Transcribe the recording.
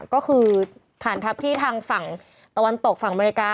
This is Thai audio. ก็คือฐานทัพที่ทางฝั่งตะวันตกฝั่งอเมริกา